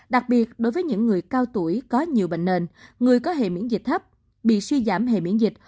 đặc biệt đối với những người cao tuổi có nhiều bệnh nền người có hề miễn dịch thấp bị suy giảm hệ miễn dịch